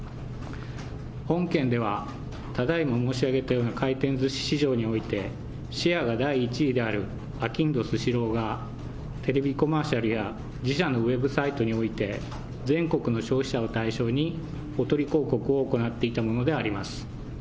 本件ではただいま申し上げたような回転ずし市場において、シェアが第１位である、あきんどスシローが、テレビコマーシャルや自社のウェブサイトにおいて、全国の消費者を対象に、おとり広告を行っていたものであります。